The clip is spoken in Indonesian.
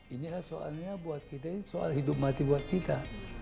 ini soalnya buat kita soal hidup mati buat kita